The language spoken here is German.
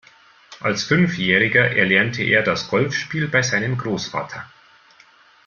Als Fünfjähriger erlernte er das Golfspiel bei seinem Großvater.